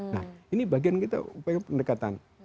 nah ini bagian kita upaya pendekatan